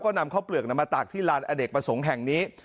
ก็นำข้าวเปลือกมาตากที่ลานอเนกประสงค์แห่งนี้